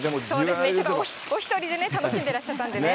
お１人で楽しんでらっしゃったんでね。